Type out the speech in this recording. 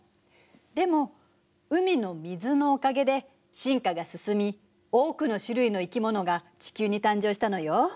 でも海の水のおかげで進化が進み多くの種類の生き物が地球に誕生したのよ。